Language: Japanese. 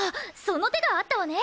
その手があったわね。